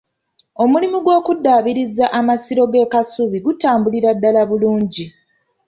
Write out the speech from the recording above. Omulimu gw’okuddaabiriza amasiro g'e Kasubi gutambulira ddala bulungi.